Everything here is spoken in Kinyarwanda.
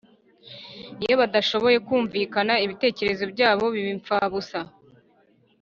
Iyo badashoboye kumvikana ibitekerezo byabo biba impfabusa